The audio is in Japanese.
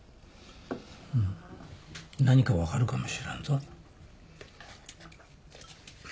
うん何か分かるかもしらんぞ。